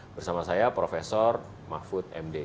bersama saya profesor mahfud md